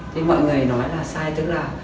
thì mọi người nói là sai tức là